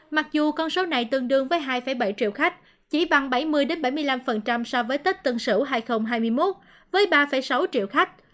mặc dù con số này tương đương với hai bảy triệu khách chỉ bằng bảy mươi bảy mươi năm so với tết tân sửu hai nghìn hai mươi một với ba sáu triệu khách